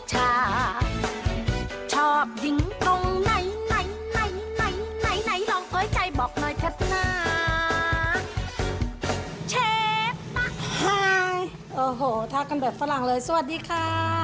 ไฮโอ้โหทักกันแบบฝรั่งเลยสวัสดีค่ะ